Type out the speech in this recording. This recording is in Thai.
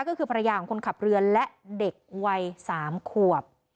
ก็คือภรรยาของคนขับเรือและเด็กวัย๓ขวบ